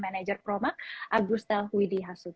manager proma agustel widihasud